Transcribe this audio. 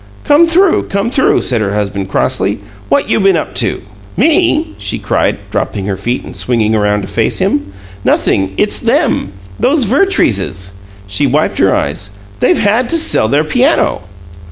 "Come through, come through!" said her husband, crossly. "What you been up to?" "Me?" she cried, dropping her feet and swinging around to face him. "Nothing. It's them! Those Vertreeses!" She wiped her eyes. "They've had to sell their piano!"